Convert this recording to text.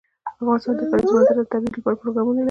افغانستان د د کلیزو منظره د ترویج لپاره پروګرامونه لري.